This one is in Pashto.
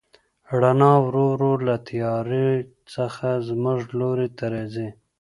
رڼا ورو ورو له تیارې څخه زموږ لوري ته راځي.